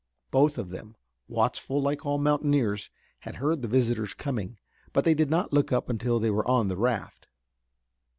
Both of them, watchful like all mountaineers, had heard the visitors coming, but they did not look up until they were on the raft.